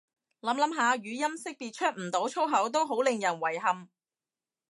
諗諗下語音辨識出唔到粗口都好令人遺憾